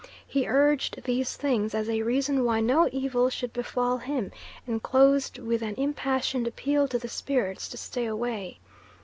He urged these things as a reason why no evil should befall him, and closed with an impassioned appeal to the spirits to stay away.